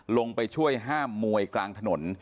ลงไปช่วยห้ามมวยกลางถนน